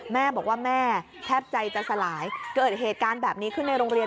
แม่บอกว่าแม่แทบใจจะสลายเกิดเหตุการณ์แบบนี้ขึ้นในโรงเรียน